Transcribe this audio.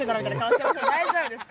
大丈夫ですか？